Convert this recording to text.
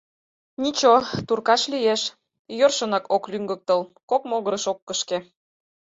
Ничо, туркаш лиеш, йӧршынак ок лӱҥгыктыл, кок могырыш ок кышке.